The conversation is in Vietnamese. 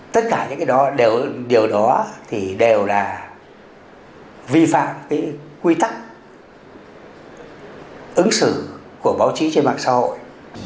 tất cả những cái đó điều đó thì đều là vi phạm cái quy tắc ứng xử của báo chí trên mạng xã hội